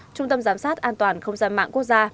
trung tâm giám sát an toàn không gian mạng quốc gia